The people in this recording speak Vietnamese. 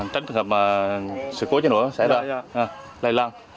tính thường hợp sự cố cháy nổ xảy ra lây lăng